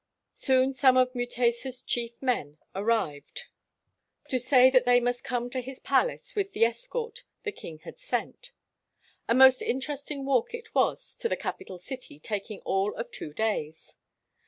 Soon some of Mutesa 's chief men arrived to 72 RECEPTION AT THE ROYAL PALACE say that they must come to his palace with the escort the king had sent. A most interesting walk it was to the capital city, taking all of two days.